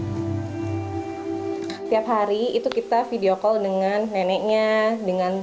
setiap hari itu kita video call dengan neneknya